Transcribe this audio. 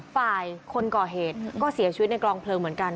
ฝ่ายคนก่อเหตุก็เสียชีวิตในกลองเพลิงเหมือนกัน